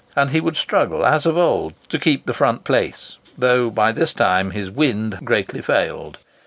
And he would struggle, as of old, to keep the front place, though by this time his "wind" had greatly failed.